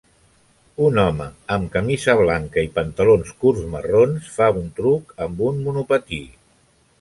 Un home amb camisa blanca i pantalons curts marrons fa un truc amb un monopatí.